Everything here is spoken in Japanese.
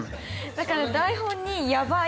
だから台本に「やばい」。